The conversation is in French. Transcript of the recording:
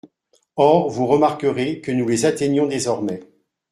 Or vous remarquerez que nous les atteignons désormais.